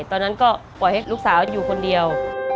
ตอนนั้นก็ปล่อยให้ลูกสาวอยู่คนเดียว